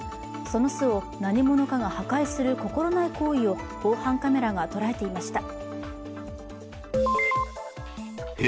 その巣を何者かが破壊する心ない行為を防犯カメラが捉えていました。